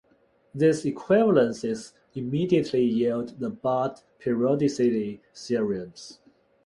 These equivalences immediately yield the Bott periodicity theorems.